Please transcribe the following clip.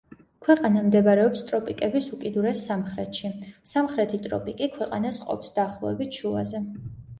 ქვეყანა მდებარეობს ტროპიკების უკიდურეს სამხრეთში; სამხრეთი ტროპიკი ქვეყანას ყოფს დაახლოებით შუაზე.